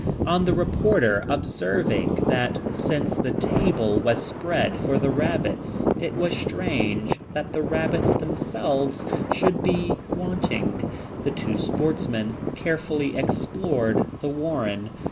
On the reporter observing that since the table was spread for the rabbits, it was strange that the rabbits themselves should be wanting, the two sportsmen carefully explored the warren.